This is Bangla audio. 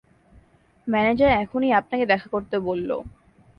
ম্যানেজার এখনই আপনাকে দেখা করতে বলল।